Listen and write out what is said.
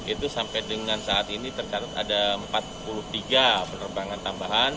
itu sampai dengan saat ini tercatat ada empat puluh tiga penerbangan tambahan